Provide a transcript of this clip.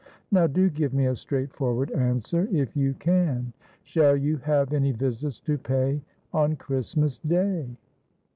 Now, do give me a straightforward answer, if you can. Shall you have any visits to pay on Christmas Day?"